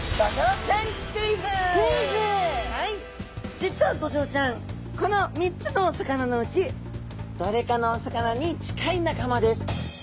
実はドジョウちゃんこの３つのお魚のうちどれかのお魚に近い仲間です。